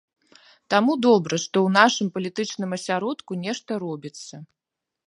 Таму добра, што ў нашым палітычным асяродку нешта робіцца.